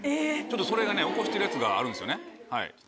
それが起こしてるやつがあるんですよね。